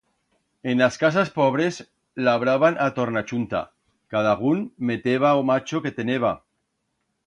En as casas pobres labraban a tornachunta, cadagún meteba o macho que teneba